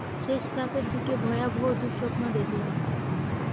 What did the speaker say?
শেষরাতের দিকে ভয়াবহ দুঃস্বপ্ন দেখলেন।